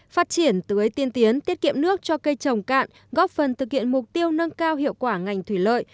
phát triển tưới tiên tiến tiết kiệm nước cho cây trồng cạn góp phần thực hiện mục tiêu nâng cao hiệu quả ngành thủy lợi